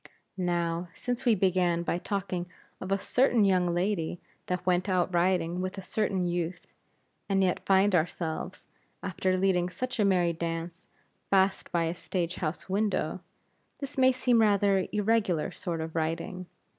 Now, since we began by talking of a certain young lady that went out riding with a certain youth; and yet find ourselves, after leading such a merry dance, fast by a stage house window; this may seem rather irregular sort of writing.